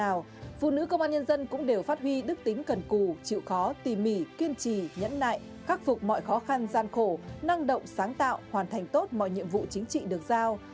các phụ nữ công an nhân dân cũng đều phát huy đức tính cần cù chịu khó tỉ mỉ kiên trì nhẫn nại khắc phục mọi khó khăn gian khổ năng động sáng tạo hoàn thành tốt mọi nhiệm vụ chính trị được giao